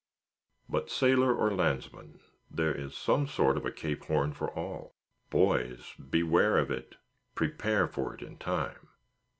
But, sailor or landsman, there is some sort of a Cape Horn for all. Boys! beware of it; prepare for it in time.